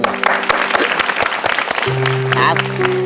ครับ